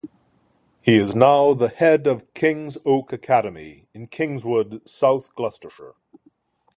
He is now the head of King's Oak Academy in Kingswood, South Gloucestershire.